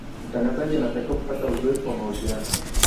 mtangazaji anatakiwa kupata uzoefu wa mahojiano